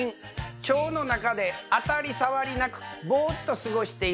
腸の中で当たリ障りなくボーっと過ごしています。